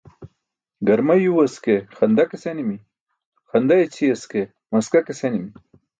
Garma yuywas ke xanda ke senimi, xanda i̇ćʰiyas ke maska ke senimi.